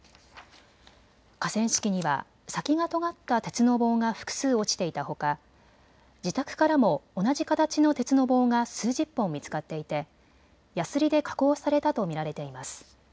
河川敷には先がとがった鉄の棒が複数落ちていたほか自宅からも同じ形の鉄の棒が数十本見つかっていてやすりで加工されたと見られています。